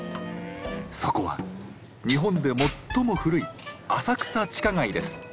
そこは日本で最も古い「浅草地下街」です。